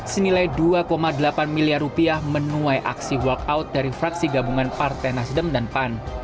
senilai dua delapan miliar rupiah menuai aksi walkout dari fraksi gabungan partai nasdem dan pan